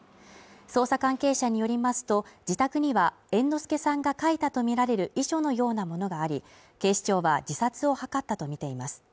捜査関係者によりますと、自宅には猿之助さんが書いたとみられる遺書のようなものがあり警視庁は自殺を図ったとみています。